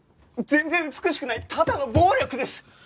全然美しくないただの暴力です！